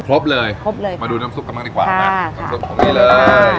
ครบเลยครบเลยมาดูน้ำซุปกันบ้างดีกว่ามาน้ำซุปตรงนี้เลย